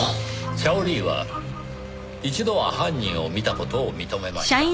シャオリーは一度は犯人を見た事を認めました。